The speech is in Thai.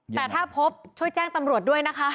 แต่ถ้าพบช่วยแจ้งตำรวจด้วยนะคะ